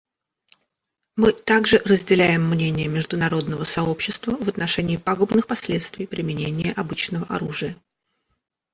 Мы также разделяем мнение международного сообщества в отношении пагубных последствий применения обычного оружия.